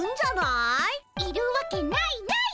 いるわけないない。